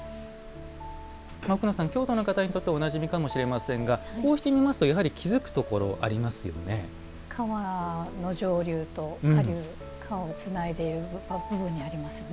奥野さん、京都の方にとってはおなじみかもしれませんがこうして見ますと川の上流と下流川をつないでいる部分にありますよね。